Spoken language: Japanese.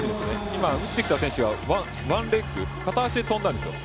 今、打ってきた選手がワンレグ、片足で跳んだんですよ。